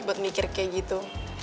buat mikir kayak gitu